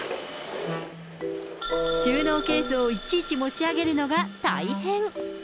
収納ケースをいちいち持ち上げるのが大変。